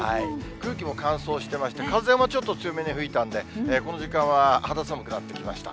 空気も乾燥してまして、風もちょっと強めに吹いたんで、この時間は肌寒くなってきました。